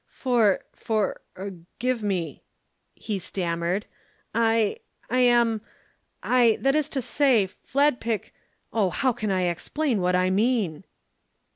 "For or give me," he stammered. "I I am I that is to say, Fladpick oh how can I explain what I mean?"